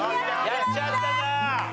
やっちゃったな。